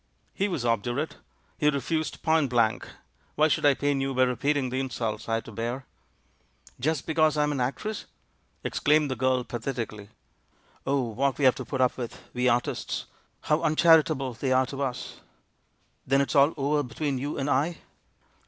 "He was obdurate; he refused point blank. Why should I pain you by repeating the insults I had to bear?" "Just because I am an actress!" exclaimed the girl pathetically. "Oh, what we have to put up with, we artists; how uncharitable they are to us! ... Then it's all over between you and I?"